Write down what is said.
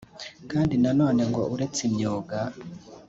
Kandi na none ngo uretse imyuga